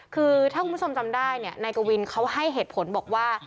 คือถ้าคุณผู้ชมจำได้เนี่ยนายกวินเขาให้เหตุผลบอกว่า